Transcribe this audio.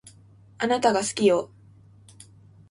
あなたが好きよ